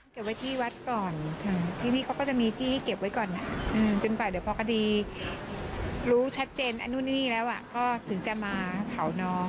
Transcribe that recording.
เก็บไว้ที่วัดก่อนที่นี่เขาก็จะมีที่เก็บไว้ก่อนจนกว่าเดี๋ยวพอคดีรู้ชัดเจนไอ้นู่นนี่แล้วก็ถึงจะมาเผาน้อง